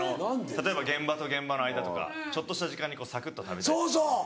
例えば現場と現場の間とかちょっとした時間にさくっと食べたいじゃないですか